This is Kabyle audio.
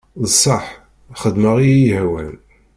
D sseḥ xedmeɣ iyi-ihwan.